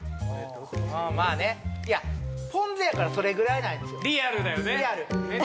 ああまあねポン酢やからそれぐらいなんですよ